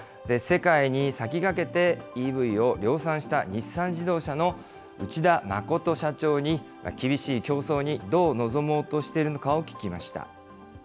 世界に先駆けて、ＥＶを量産した日産自動車の内田誠社長に、厳しい競争にどう臨もうとしているのかを聞きました。